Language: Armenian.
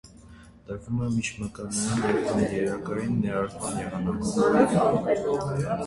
Տրվում է միջմկանային կամ ներերակային ներարկման եղանակով։